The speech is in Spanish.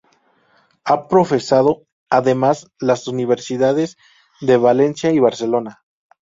Ha profesado, además, en las universidades de Valencia y Barcelona.